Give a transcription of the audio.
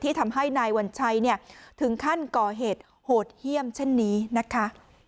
ทำให้นายวัญชัยถึงขั้นก่อเหตุโหดเยี่ยมเช่นนี้นะคะ